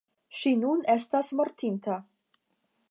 Ŝi nun estis mortinta.